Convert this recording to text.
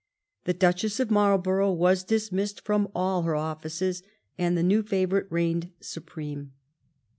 The Duchess of Marlborough was dismissed from all her offices, and the new favorite reigned su preme.